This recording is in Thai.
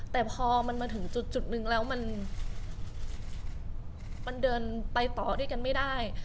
แต่พอมันมาถึงจุดนึงแล้วมันเดินไปต่อด้วยกันไม่ได้